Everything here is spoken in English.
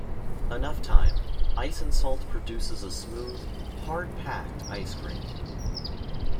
Enough time, ice and salt produces a smooth "hard packed" ice cream.